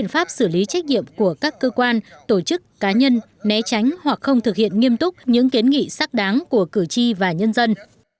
pháp xử lý trách nhiệm của các cơ quan tổ chức cá nhân né tránh hoặc không thực hiện nghiêm túc những kiến nghị xác đáng của cử tri và nhân dân